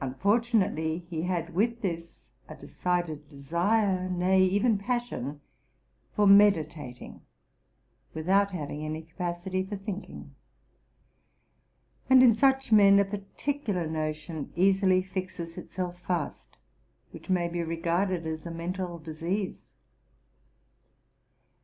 Unfortunately he had with this a decided desire, nay, even passion, for meditating, without having any capacity for thinking ; and in such men a particular notion easily fixes itself fast, which may be regarded as a mental disease.